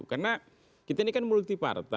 karena kita ini kan multi part